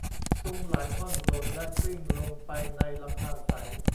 ซุงหลายท่อนหล่นและกลิ้งลงไปในลำธารใส